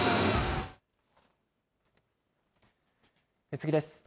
次です。